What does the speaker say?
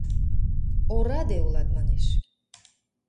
— Ораде удат, манеш.